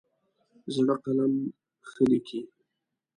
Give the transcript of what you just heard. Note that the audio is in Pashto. زړه قلم ښه لیکي.